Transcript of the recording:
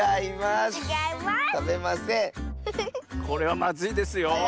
これはまずいですよ。